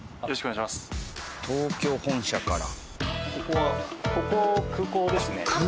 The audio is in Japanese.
東京本社から。